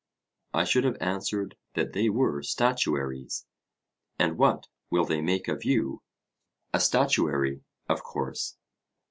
I should have answered, that they were statuaries. And what will they make of you? A statuary, of course.